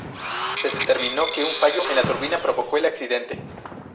Se determinó que un fallo en la turbina provocó el accidente.